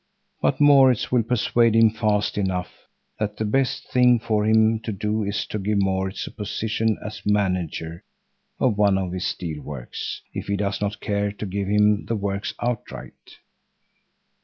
But Maurits will persuade him fast enough that the best thing for him to do is to give Maurits a position as manager of one of his steel works, if he does not care to give him the works outright.